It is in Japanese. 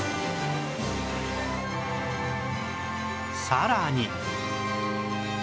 さらに